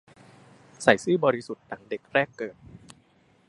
ใสซื่อบริสุทธิ์ดั่งเด็กแรกเกิด